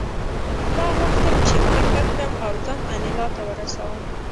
ما غوښتل چې منډه کړم او ځان انیلا ته ورسوم